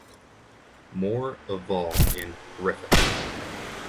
Moore Oval in Griffith.